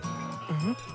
うん？